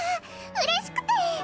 うれしくて！